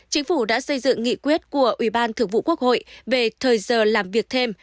chính phủ đã xây dựng nghị quyết của ủy ban thượng vụ quốc hội về thời giờ làm việc thêm